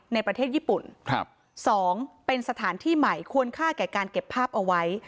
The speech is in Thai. ในประเทศญี่ปุ่น๒เป็นสถานที่ใหม่ควรค่าแก่การเก็บภาพเอาไว้